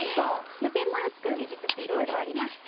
無洗米を作る技術はいろいろありまして